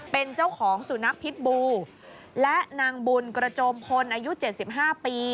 เป็นเจ้าของสุนัขพิษบูและนางบุญกระโจมพลอายุ๗๕ปี